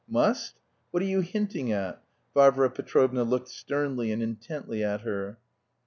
"Must? What are you hinting at?" Varvara Petrovna looked sternly and intently at her.